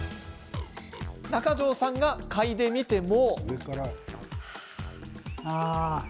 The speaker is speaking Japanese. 中城さんが嗅いでみても。